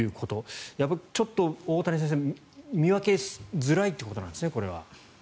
ちょっと大谷先生、見分けづらいということなんですね。